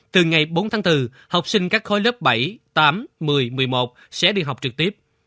từ ngày bốn tháng bốn học sinh các khối lớp bảy tám một mươi một mươi một sẽ đi học trực tiếp